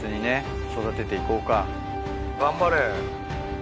頑張れ。